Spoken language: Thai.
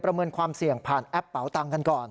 เมินความเสี่ยงผ่านแอปเป๋าตังค์กันก่อน